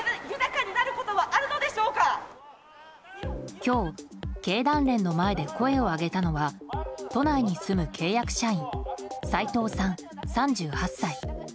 今日、経団連の前で声を上げたのは都内に住む契約社員斉藤さん、３８歳。